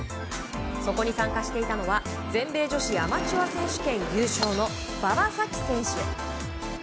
そこに参加していたのは全米女子アマチュア選手権優勝の馬場咲希選手。